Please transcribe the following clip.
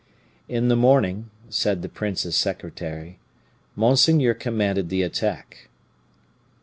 "In the morning," said the prince's secretary, "monseigneur commanded the attack.